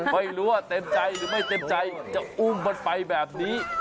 ไม่รู้ว่าเต็มใจหรือไม่เต็มใจจะอุ้มมันไปแบบนี้